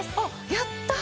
やったー！